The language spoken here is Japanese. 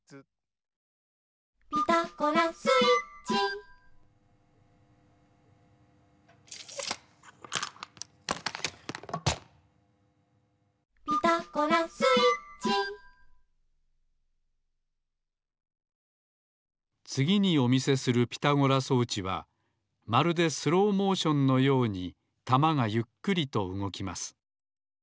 「ピタゴラスイッチ」「ピタゴラスイッチ」つぎにお見せするピタゴラ装置はまるでスローモーションのようにたまがゆっくりとうごきます。